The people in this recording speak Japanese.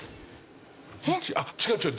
あっ違う違う。